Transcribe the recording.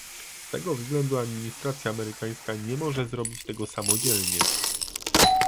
Z tego względu administracja amerykańska nie może zrobić tego samodzielnie